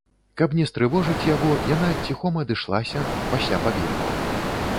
Каб не стрывожыць яго, яна ціхом адышлася, пасля пабегла.